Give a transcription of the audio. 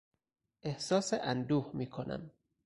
احساس اندوه میکنم.